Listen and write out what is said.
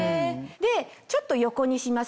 ちょっと横にしますね。